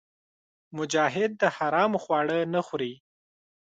مجاهد د حرامو خواړه نه خوري.